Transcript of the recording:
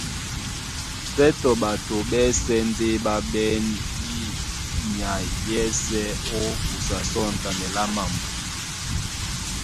Sětɔ ɓato ɓásɛ̄ ndé ɓá ɓɛ́n yí nyay yɛ́sē ó kusa sɔ̂ŋtanɛ lá mambo.